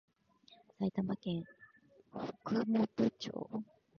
埼玉県北本市